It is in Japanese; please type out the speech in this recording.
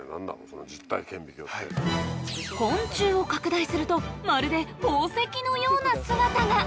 昆虫を拡大するとまるで宝石のような姿が！